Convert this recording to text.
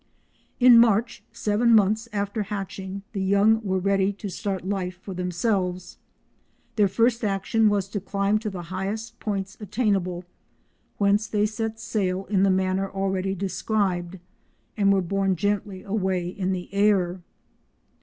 In March, seven months after hatching, the young were ready to start life for themselves. Their first action was to climb to the highest points attainable, whence they set sail in the manner already described, and were borne gently away in the air.